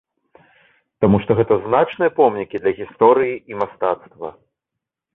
Таму што гэта значныя помнікі для гісторыі і мастацтва.